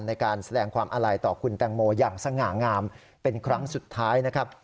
ในการแสดงความอาลัยต่อคุณแตงโมอย่างสง่างามเป็นครั้งสุดท้ายนะครับ